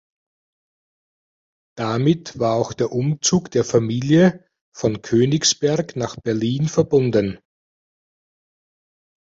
Damit war auch der Umzug der Familie von Königsberg nach Berlin verbunden.